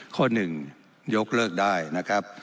ข้อหนึ่งยกเลิกได้นะครับ